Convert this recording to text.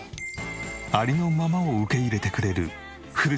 ありのままを受け入れてくれるふるさと